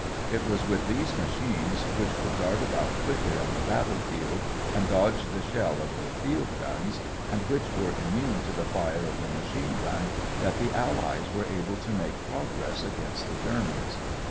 It was with these machines, which could dart about quickly on the battle field and dodge the shell of the field guns, and which were immune to the fire of the machine gun, that the Allies were able to make progress against the Germans.